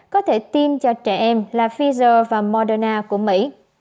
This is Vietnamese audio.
có thể tiêm cho trẻ em là pfizer và moderna của mỹ